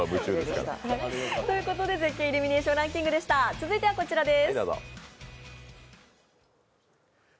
続いてはこちらです。